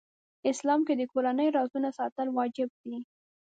اسلام کې د کورنۍ رازونه ساتل واجب دي .